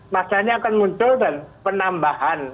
masanya akan muncul dan penambahan